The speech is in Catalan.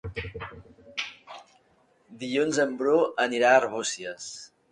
Dilluns en Bru anirà a Arbúcies.